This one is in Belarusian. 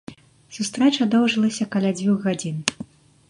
Сустрэча доўжылася каля дзвюх гадзін.